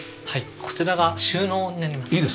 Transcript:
こちらが収納になります。